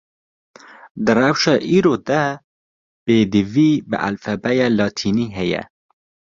Di rewşa îro de, pêdivî bi alfabêya latînî heye